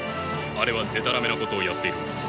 あれはでたらめなことをやっているのです。